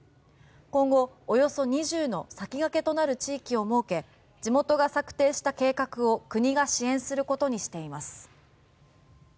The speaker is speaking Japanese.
今後、およそ２０の先駆けとなる地域を設け地元が策定した計画を国が支援することにしています。